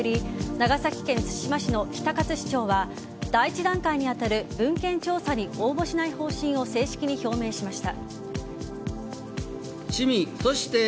長崎県対馬市の比田勝市長は第１段階に当たる文献調査に応募しない方針を正式に表明しました。